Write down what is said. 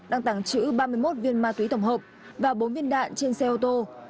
đang tàng trữ ba mươi một viên ma túy tổng hợp và bốn viên đạn trên xe ô tô